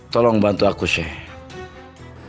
tolong bantu aku sheikh